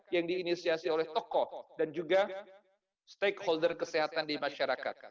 yang diinisiasi oleh tokoh dan juga stakeholder kesehatan di masyarakat